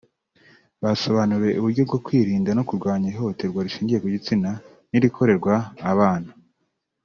Basobanuriwe uburyo bwo kwirinda no kurwanya ihohoterwa rishingiye ku gitsina n’irikorerwa abana